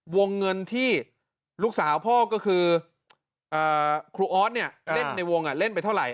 วงเงินที่ลูกสาวพ่อก็คือครูออสเนี่ยเล่นในวงเล่นไปเท่าไห